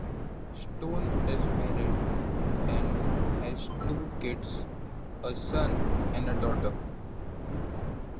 Stone is married and has two kids, a son and a daughter.